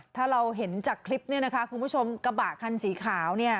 ถ้าเราเห็นจากคลิปเนี่ยนะคะคุณผู้ชมกระบะคันสีขาวเนี่ย